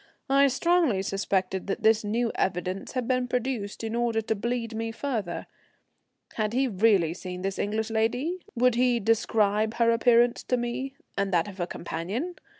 I strongly suspected that this new evidence had been produced in order to bleed me further. Had he really seen this English lady? Would he describe her appearance to me, and that of her companion?